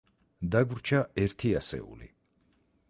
დაგვრჩა ერთი ასეული.